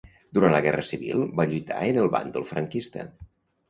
Durant la Guerra Civil va lluitar en el bàndol franquista.